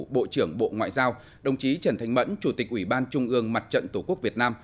bộ trưởng bộ ngoại giao đồng chí trần thanh mẫn chủ tịch ủy ban trung ương mặt trận tổ quốc việt nam